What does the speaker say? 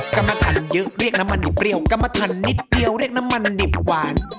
กรรมฐานเยอะเรียกน้ำมันเปรี้ยวกรรมฐานนิดเดียวเรียกน้ำมันดิบหวาน